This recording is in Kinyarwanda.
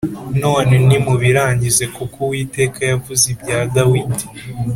none nimubirangize kuko Uwiteka yavuze ibya Dawidi